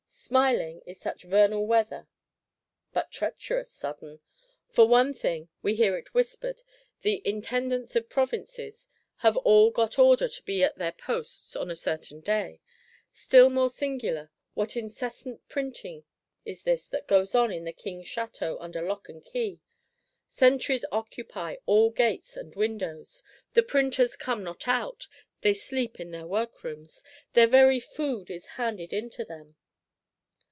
Smiling is such vernal weather; but treacherous, sudden! For one thing, we hear it whispered, "the Intendants of Provinces have all got order to be at their posts on a certain day." Still more singular, what incessant Printing is this that goes on at the King's Château, under lock and key? Sentries occupy all gates and windows; the Printers come not out; they sleep in their workrooms; their very food is handed in to them!